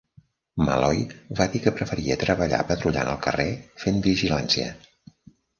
Malloy va dir que preferia treballar patrullant al carrer fent vigilància.